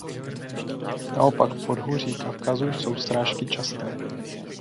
Naopak v podhůří Kavkazu jsou srážky časté.